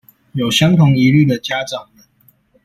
有相同疑慮的家長們